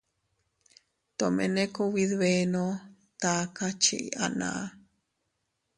Tomene kubidbenno taka chii anaa.